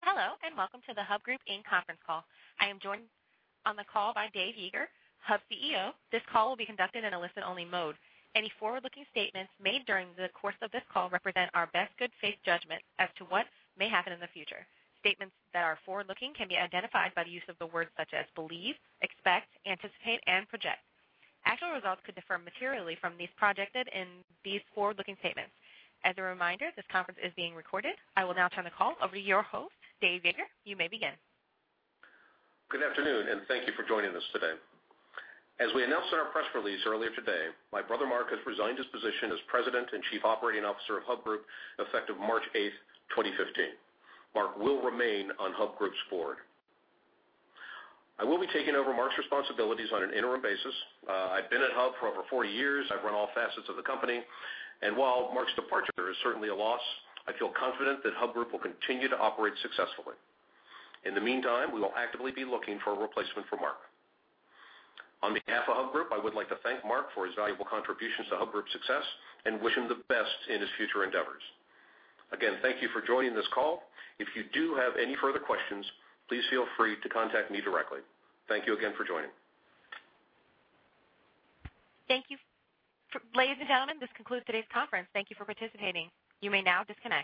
Hello, and welcome to the Hub Group investor conference call. I am joined on the call by Dave Yeager, Hub CEO. This call will be conducted in a listen-only mode. Any forward-looking statements made during the course of this call represent our best good faith judgment as to what may happen in the future. Statements that are forward-looking can be identified by the use of the words such as believe, expect, anticipate, and project. Actual results could differ materially from those projected in these forward-looking statements. As a reminder, this conference is being recorded. I will now turn the call over to your host, Dave Yeager. You may begin. Good afternoon, and thank you for joining us today. As we announced in our press release earlier today, my brother Mark has resigned his position as President and Chief Operating Officer of Hub Group, effective March 8, 2015. Mark will remain on Hub Group's board. I will be taking over Mark's responsibilities on an interim basis. I've been at Hub for over 40 years. I've run all facets of the company, and while Mark's departure is certainly a loss, I feel confident that Hub Group will continue to operate successfully. In the meantime, we will actively be looking for a replacement for Mark. On behalf of Hub Group, I would like to thank Mark for his valuable contributions to Hub Group's success and wish him the best in his future endeavors. Again, thank you for joining this call. If you do have any further questions, please feel free to contact me directly. Thank you again for joining. Thank you. Ladies and gentlemen, this concludes today's conference. Thank you for participating. You may now disconnect.